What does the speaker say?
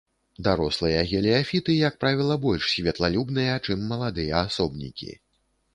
Дарослыя геліяфіты, як правіла, больш святлалюбныя, чым маладыя асобнікі.